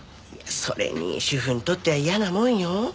それに主婦にとっては嫌なもんよ。